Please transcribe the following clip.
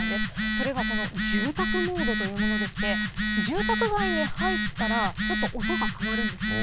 それが、この住宅モードというものでして住宅街に入ったら音が変わるんですって。